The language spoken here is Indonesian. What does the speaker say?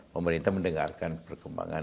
pemerintah mendengarkan perkembangan